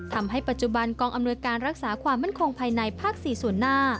ทำให้ปัจจุบันกองอำนวยการรักษาความมั่นคงภายในภาค๔ส่วนหน้า